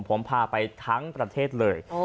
ผมพาไปทั้งประเทศเลย